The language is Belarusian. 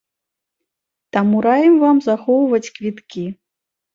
Таму раім вам захоўваць квіткі!